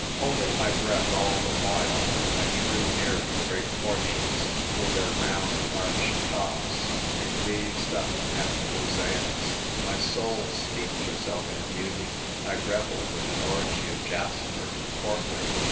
Holding my breath all the while, I drew near the great porches, with their round arched tops, and gazed up at the mosaics. My soul steeped herself in beauty. I revelled in an orgy of jasper and porphyry.